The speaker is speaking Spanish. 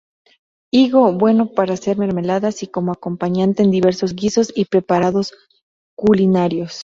Higo bueno para hacer mermeladas y como acompañante en diversos guisos y preparados culinarios.